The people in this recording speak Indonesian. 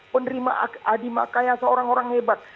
penerima adi makaya seorang orang hebat